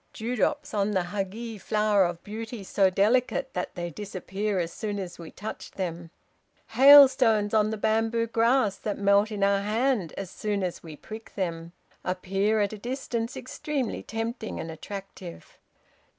Dewdrops on the 'Hagi flower' of beauty so delicate that they disappear as soon as we touch them hailstones on the bamboo grass that melt in our hand as soon as we prick them appear at a distance extremely tempting and attractive.